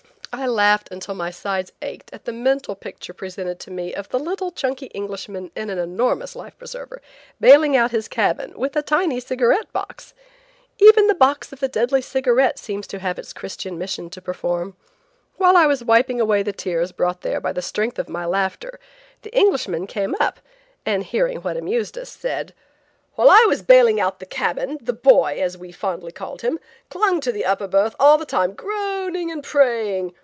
I laughed until my sides ached at the mental picture presented to me of the little chunky Englishman in an enormous life preserver, bailing out his cabin with a tiny cigarette box! Even the box of the deadly cigarette seems to have its christian mission to perform. While I was wiping away the tears brought there by the strength of my laughter, the Englishman came up, and hearing what had amused us, said: "While I was bailing out the cabin, 'the boy,' "as we fondly called him, "clung to the upper berth all the time groaning and praying!